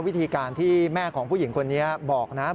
วิธีการที่แม่ของผู้หญิงคนนี้บอกนะ